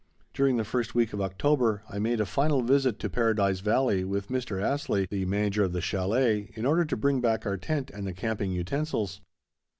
During the first week of October I made a final visit to Paradise Valley with Mr. Astley, the manager of the chalet, in order to bring back our tent and the camping utensils.